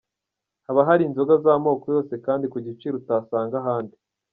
Haba hari inzoga z'amoko yose kandi ku giciro utasanga ahandi.